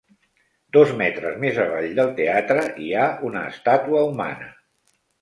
Dos metres més avall del teatre hi ha una estàtua humana.